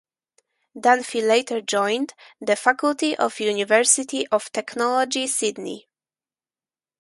Dunphy later joined the faculty of University of Technology Sydney.